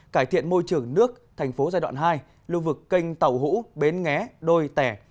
cải thiện môi trường nước tp giai đoạn hai lưu vực kênh tàu hũ bến nghé đôi tẻ